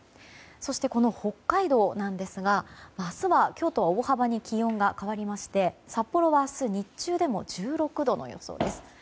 そして、この北海道なんですが明日は、今日とは大幅に気温が変わりまして、札幌は明日、日中でも１６度の予想です。